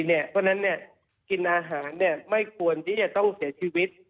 เพราะฉะนั้นกินอาหารไม่ควรที่จะต้องเสียชีวิต